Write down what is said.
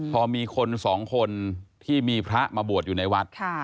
พอมีคนสองคนที่มีพระมาบวชอยู่ในวัด